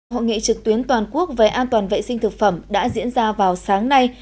hội nghị trực tuyến toàn quốc về an toàn vệ sinh thực phẩm đã diễn ra vào sáng nay